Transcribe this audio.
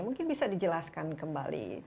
mungkin bisa dijelaskan kembali